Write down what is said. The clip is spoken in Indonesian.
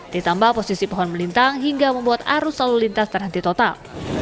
ditambah posisi pohon melintang hingga membuat arus lalu lintas terhenti total